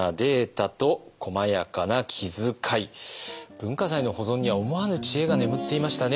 文化財の保存には思わぬ知恵が眠っていましたね。